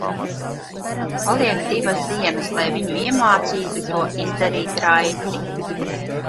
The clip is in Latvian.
Paliek divas dienas, lai viņu iemācītu to izdarīt raiti.